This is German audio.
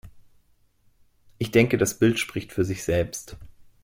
Ich denke, das Bild spricht für sich selbst.